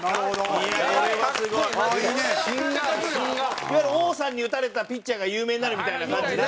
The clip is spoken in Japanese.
いわゆる王さんに打たれたピッチャーが有名になるみたいな感じで。